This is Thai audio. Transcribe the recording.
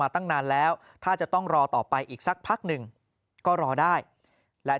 ตั้งนานแล้วถ้าจะต้องรอต่อไปอีกสักพักหนึ่งก็รอได้และ